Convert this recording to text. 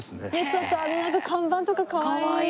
ちょっとあの看板とかかわいい！